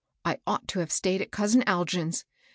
I ought to have stayed at cousin Algin's.